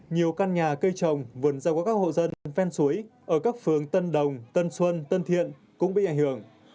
nhiều căn nhà cây trồng vườn rau của các hộ dân ven suối ở các phường tân đồng tân xuân tân thiện cũng bị ảnh hưởng